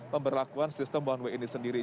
pemberlakuan sistem one way ini sendiri